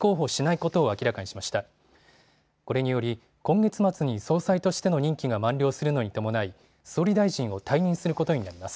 これにより今月末に総裁としての任期が満了するのに伴い総理大臣を退任することになります。